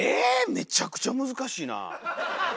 めちゃくちゃむずかしいなぁ。